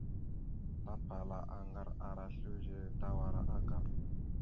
Tapala aŋgar ara slʉze tawara agam.